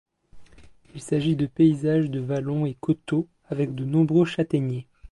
Il s'agit de paysages de vallons et coteaux, avec de nombreux châtaigniers.